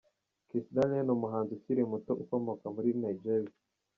Kiss Daniel ni umuhanzi ukiri muto ukomoka muri Nigeria.